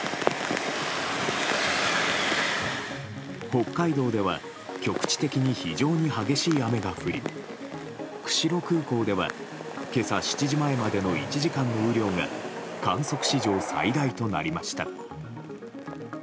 北海道では局地的に非常に激しい雨が降り釧路空港では今朝７時前までの１時間の雨量が観測史上最大となりました。